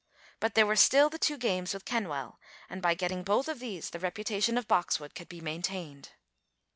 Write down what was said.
But there were still the two games with Kenwell, and by getting both of these the reputation of Boxwood could be maintained.